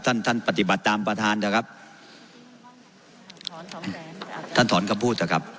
ท่านท่านปฏิบัติตามประธานนะครับท่านถอนคำพูดนะครับ